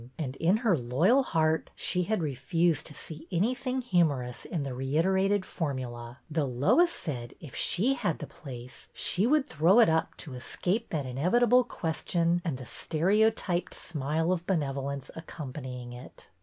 and, in her loyal heart, she had refused to see anything humorous in the reiterated for mula; though Lois said if she had the place she would throw it up to escape that inevitable ques tion and the stereotyped smile of benevolence accompanying it.